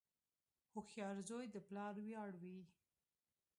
• هوښیار زوی د پلار ویاړ وي.